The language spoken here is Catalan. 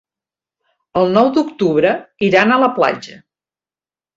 El nou d'octubre iran a la platja.